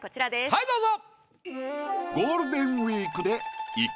はいどうぞ！